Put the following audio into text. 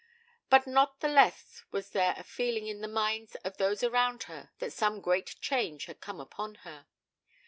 But not the less was there a feeling in the minds of those around her that some great change had come upon her.